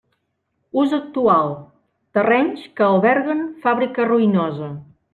Ús actual: terrenys que alberguen fàbrica ruïnosa.